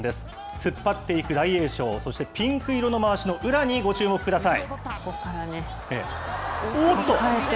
突っ張っていく大栄翔、そしてピンク色のまわしの宇良にご注目ください。